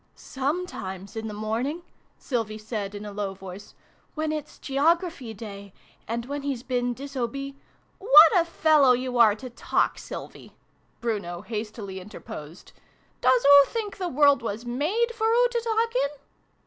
" Sometimes, in the morning," Sylvie said in a low voice ;" when it's Geography day, and when he's been disobe " What a fellow you are to talk, Sylvie !" Bruno hastily interposed. " Doos oo think the world was made for oo to talk in